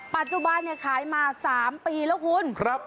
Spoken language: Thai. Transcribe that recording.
ปัจจุบันนี่ขายมาสามปีแล้วคุณครับ